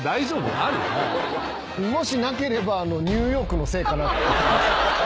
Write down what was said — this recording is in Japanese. ある？もしなければニューヨークのせいかなって。